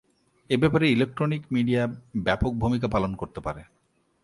এ ব্যাপারে electronic media ব্যাপক ভূমিকা পালন করতে পারে।